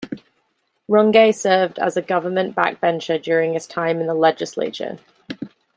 Rungay served as a government backbencher during his time in the legislature.